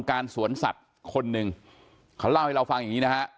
เขาล้าวให้เราฟังอย่างนี้นะครับ